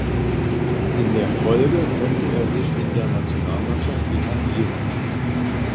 In der folge konnte er sich in der Nationalmannschaft etablieren.